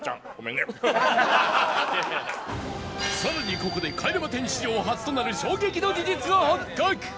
さらにここで帰れま１０史上初となる衝撃の事実が発覚！